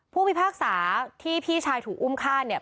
พิพากษาที่พี่ชายถูกอุ้มฆ่าเนี่ย